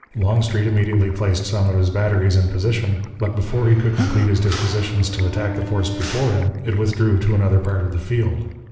Longstreet immediately placed some of his batteries in position, but, before he could complete his dispositions to attack the force before him, it withdrew to another part of the field.